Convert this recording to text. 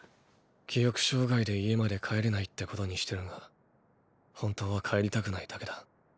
記憶障害で家まで帰れないってことにしてるが本当は帰りたくないだけだ。